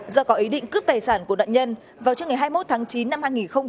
do có ý định cướp tài sản của nạn nhân vào trước ngày hai mươi một tháng chín năm hai nghìn hai mươi ba